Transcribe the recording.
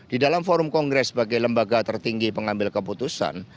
di dalam forum kongres sebagai lembaga tertinggi pengambil keputusan